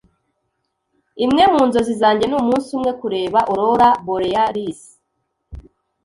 Imwe mu nzozi zanjye ni umunsi umwe kureba aurora borealis.